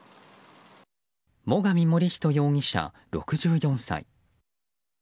最上守人容疑者、６４歳。